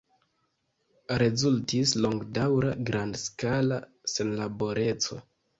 Rezultis longdaŭra grandskala senlaboreco.